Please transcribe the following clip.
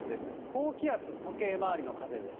高気圧、時計回りの風です。